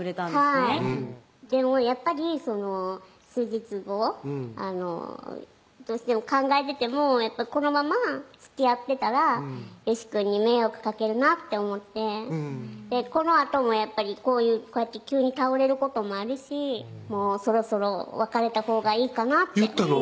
はいでもやっぱり数日後どうしても考えててもこのままつきあってたらよしくんに迷惑かけるなって思ってこのあともやっぱりこうやって急に倒れることもあるし「もうそろそろ別れたほうがいいかな」って言ったの？